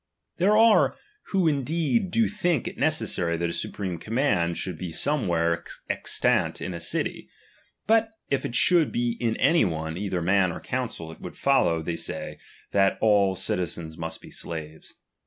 There are, who indeed do think it necessary That i that a supreme command should be somewhere ex suts i tant in a city ; but if it should be in any one, n'^°' either man or council, it would follow, they say, that "^ s^ all^the citizens must be slaves.